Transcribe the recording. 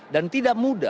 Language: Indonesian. dan tidak mudah